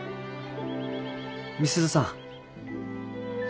美鈴さん。